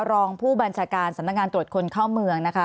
รองผู้บัญชาการสำนักงานตรวจคนเข้าเมืองนะคะ